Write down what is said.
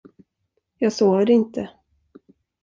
Jag sover inte.